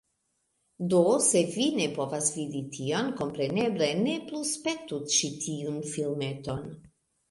Do, se vi ne povas vidi tion, kompreneble, ne plu spektu ĉi tiun filmeton.